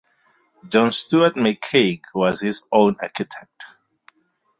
John Stuart McCaig was his own architect.